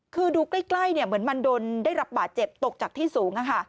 คือดูใกล้เหมือนมันโดนได้รับบาดเจ็บตกจากที่สูง